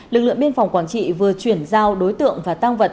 lực lượng biên phòng quản trị vừa chuyển giao đối tượng và tang vật